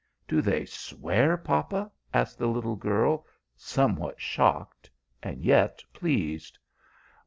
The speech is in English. "Do they swear, papa?" asked the little girl, somewhat shocked, and yet pleased.